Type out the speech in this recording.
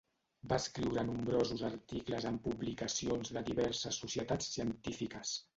Va escriure nombrosos articles en publicacions de diverses societats científiques.